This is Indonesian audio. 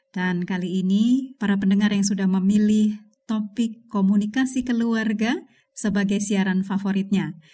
dan kali ini para pendengar yang sudah memilih topik komunikasi keluarga sebagai siaran favoritnya